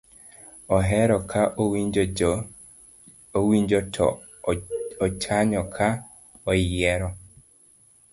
ohero ka owinjo to ochanyo ka oyiero